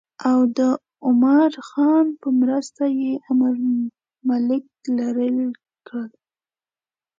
او د عمرا خان په مرسته یې امیرالملک لرې کړ.